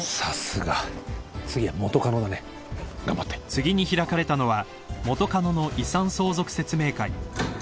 ［次に開かれたのは元カノの遺産相続説明会］